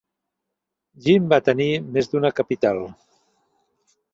Jin va tenir més d'una capital.